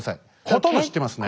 ほとんど知ってますね。